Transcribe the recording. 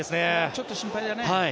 ちょっと心配だね。